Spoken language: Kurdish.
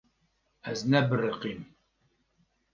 Ez nebiriqîm.